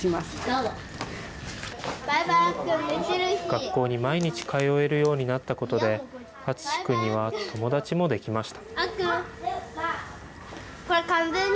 学校に毎日通えるようになったことで、あつし君には、友達もできました。